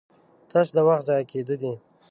تش د وخت ضايع کېده دي